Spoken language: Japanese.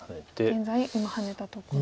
現在今ハネたところです。